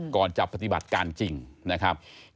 ก่อนจะปฏิบัติการจริงนะครับ